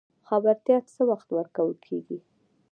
خبرتیا څه وخت ورکول کیږي؟